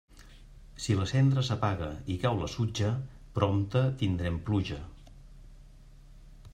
Si la cendra s'apaga i cau la sutja, prompte tindrem pluja.